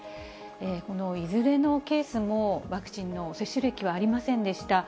このいずれのケースも、ワクチンの接種歴はありませんでした。